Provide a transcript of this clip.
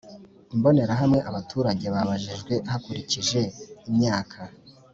Imbonerahamwe Abaturage babajijwe hakurikije imyaka